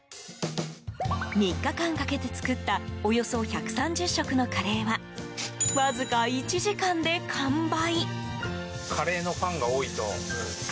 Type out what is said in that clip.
３日間かけて作ったおよそ１３０食のカレーはわずか１時間で完売。